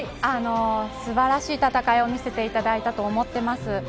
素晴らしい戦いを見せていただいたと思っています。